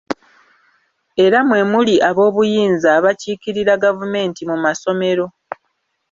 Era mwe muli aboobuyinza abakiikirira gavumenti mu masomero.